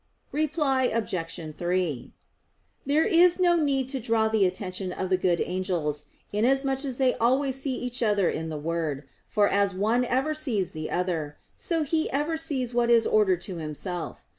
Reply Obj. 3: There is no need to draw the attention of the good angels, inasmuch as they always see each other in the Word; for as one ever sees the other, so he ever sees what is ordered to himself.